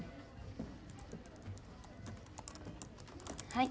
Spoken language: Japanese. はい。